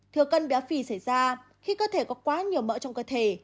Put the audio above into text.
thừa cân béo phì xảy ra khi cơ thể có quá nhiều mỡ trong cơ thể